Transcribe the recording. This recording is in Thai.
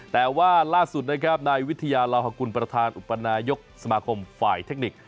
แต่ว่าล่าสุดนะครับนายวิทยาลาฮกุลประธานอุปนายกสมาคมฝ่ายเทคนิค